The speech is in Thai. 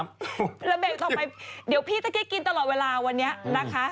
แล้วเบรกต่อไปเดี๋ยวพี่ตะกี้กินตลอดเวลาวันนี้นะคะ